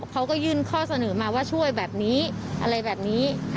เขาก็ยื่นข้อเสนอมาว่าช่วยแบบนี้อะไรแบบนี้